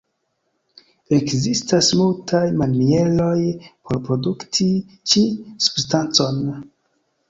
Ekzistas multaj manieroj por produkti ĉi-substancon.